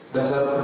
dasar teori apa ini